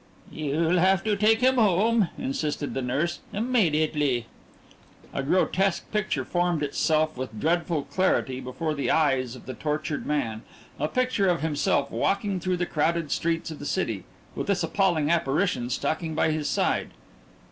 "You'll have to take him home," insisted the nurse "immediately!" A grotesque picture formed itself with dreadful clarity before the eyes of the tortured man a picture of himself walking through the crowded streets of the city with this appalling apparition stalking by his side.